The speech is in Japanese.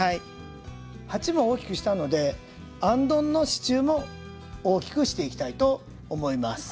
鉢も大きくしたのであんどんの支柱も大きくしていきたいと思います。